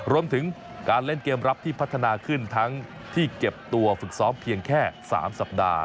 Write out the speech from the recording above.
รวมถึงการเล่นเกมรับที่พัฒนาขึ้นทั้งที่เก็บตัวฝึกซ้อมเพียงแค่๓สัปดาห์